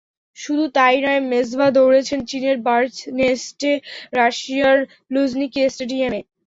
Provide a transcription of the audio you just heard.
শুধু তা-ই নয়, মেজবাহ দৌড়েছেন চীনের বার্ডস নেস্টে, রাশিয়ার লুঝনিকি স্টেডিয়ামে।